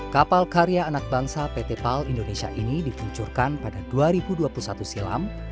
kapal karya anak bangsa pt pal indonesia ini diluncurkan pada dua ribu dua puluh satu silam